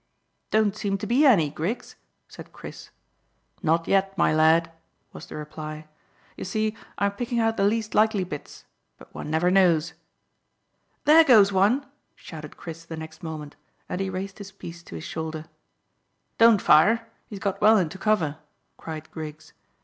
"Don't seem to be any, Griggs," said Chris. "Not yet, my lad," was the reply. "You see, I'm picking out the least likely bits; but one never knows." "There goes one," shouted Chris the next moment, and he raised his piece to his shoulder. "Don't fire; he's got well into cover," cried Griggs.